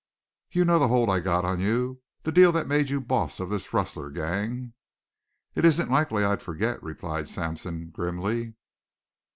"You know the hold I got on you the deal that made you boss of this rustler gang?" "It isn't likely I'd forget," replied Sampson grimly.